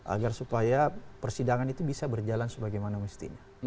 agar supaya persidangan itu bisa berjalan sebagaimana mestinya